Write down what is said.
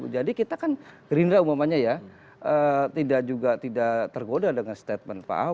jadi kita kan gerindra umumnya ya tidak juga tidak tergoda dengan statement pak ahok